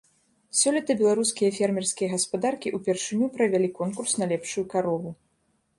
Сёлета беларускія фермерскія гаспадаркі ўпершыню правялі конкурс на лепшую карову.